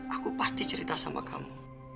aku pasti cerita sama kamu